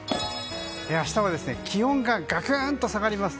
明日は気温がガクンと下がります。